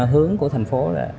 hướng của thành phố là